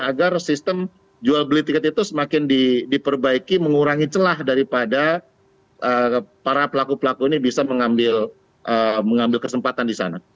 agar sistem jual beli tiket itu semakin diperbaiki mengurangi celah daripada para pelaku pelaku ini bisa mengambil kesempatan di sana